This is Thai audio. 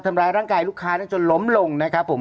ทำร้ายร่างกายลูกค้าจนล้มลงนะครับผม